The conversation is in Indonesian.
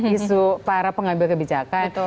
isu para pengambil kebijakan